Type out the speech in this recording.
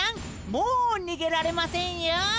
もうにげられませんよ。